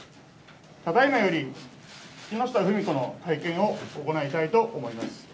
ただいまより木下富美子の会見を行いたいと思います。